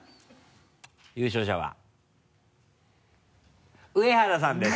優勝者は上原さんです！